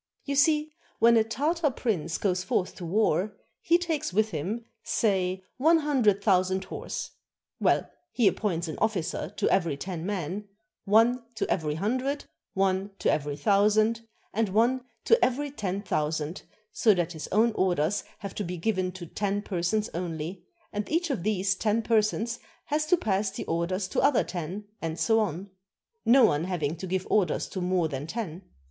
You see, when a Tartar prince goes forth to war, he takes with him, say, one hundred thousand horse. Well, he appoints an officer to every ten men, one to every hundred, one to every thousand, and one to every ten thousand, so that his own orders have to be given to ten persons only, and each of these ten persons has to pass the orders to other ten, and so on; no one having to give orders to more than ten.